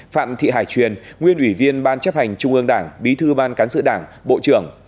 phạm thị hải truyền nguyên ủy viên ban chấp hành trung ương đảng bí thư ban cán sự đảng bộ trưởng